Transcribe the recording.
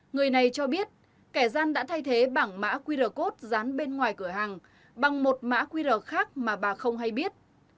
người này cho biết kẻ gian đã thay thế bảng mã qr code dán bên ngoài cửa hàng bằng một mã qr khác mà bà không hay biết